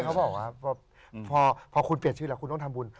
เขาบอกว่าพอคุณเปลี่ยนชื่อแล้วคุณต้องทำบุญ